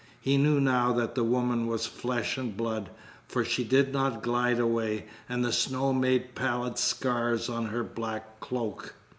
He knew now that the woman was flesh and blood, for she did not glide away, and the snow made pallid scars on her black cloak.